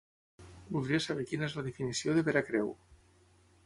Voldria saber quina és la definició de veracreu.